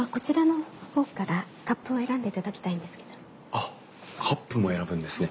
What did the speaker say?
あっカップも選ぶんですね。